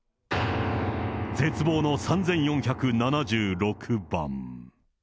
絶望の３４７６番。